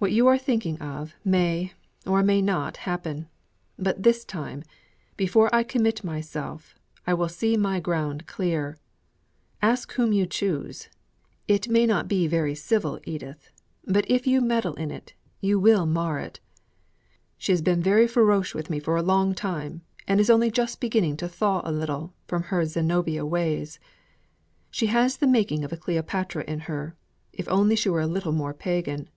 "What you are thinking of may or may not happen; but this time, before I commit myself, I will see my ground clear. Ask whom you choose. It may not be very civil, Edith, but if you meddle in it you will mar it. She has been very farouche with me for a long time; and is only just beginning to thaw a little from her Zenobia ways. She has the making of a Cleopatra in her, if only she were a little more pagan."